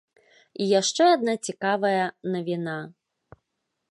І яшчэ адна цікавая навіна.